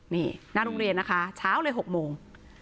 นี่หน้าโรงเรียนนะคะเช้าเลย๖โมง